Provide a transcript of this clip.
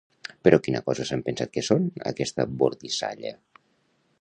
Però quina cosa s'han pensat que són, aquesta bordisalla?